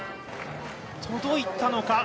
届いたのか？